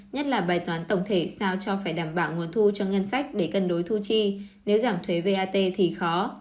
nhất là bài toán tổng thể sao cho phải đảm bảo nguồn thu cho ngân sách để cân đối thu chi nếu giảm thuế vat thì khó